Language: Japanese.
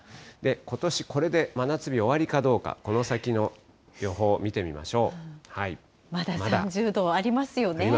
ことし、これで真夏日終わりかどうか、この先の予報を見てみましょう。ありますね。